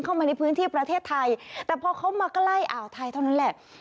เข้ามาในพื้นที่ประเทศไทยแต่พอเขามาใกล้อ่าวไทยเท่านั้นแหละ